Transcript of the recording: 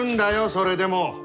それでも！